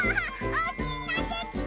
おおきいのできた！